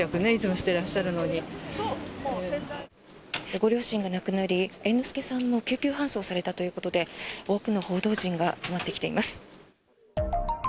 ご両親が亡くなり猿之助さんも救急搬送されたということで多くの報道陣が集まってきています。